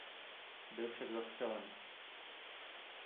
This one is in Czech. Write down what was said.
Byl však zastřelen.